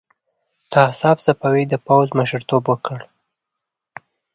طاهاسپ صفوي د پوځ مشرتوب ورکړ.